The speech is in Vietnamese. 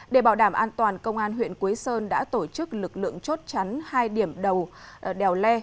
để bảo đảm an toàn công an huyện quế sơn đã tổ chức lực lượng chốt chắn hai điểm đầu đèo le